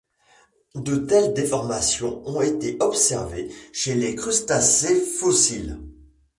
De telles déformations ont été observées chez des crustacés fossiles.